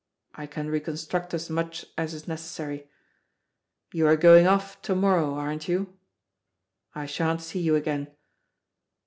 I can reconstruct as much as is necessary. You are going off to morrow, aren't you? I sha'n't see you again.